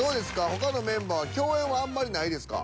他のメンバー共演はあんまりないですか？